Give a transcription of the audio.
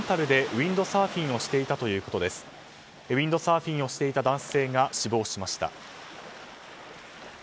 ウィンドサーフィンをしていた男性が死亡しました。